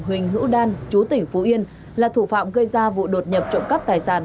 huỳnh hữu đan chú tỉnh phú yên là thủ phạm gây ra vụ đột nhập trộm cắp tài sản